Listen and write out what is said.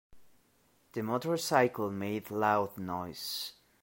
The motorcycle made loud noise.